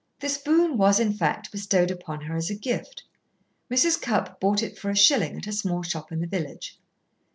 This boon was, in fact, bestowed upon her as a gift. Mrs. Cupp bought it for a shilling at a small shop in the village.